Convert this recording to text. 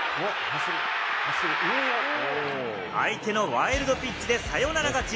相手のワイルドピッチでサヨナラ勝ち！